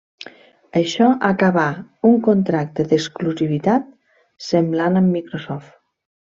Això acabà un contracte d'exclusivitat semblant amb Microsoft.